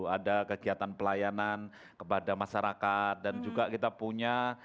ada kegiatan pelayanan kepada masyarakat dan juga kita punya